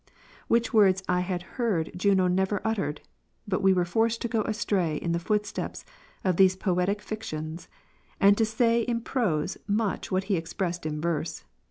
Which words I had heard that Juno never uttered ; but we were forced to go astray in the footsteps of these poetic fictions, and to say in prose much what he expressed in verse.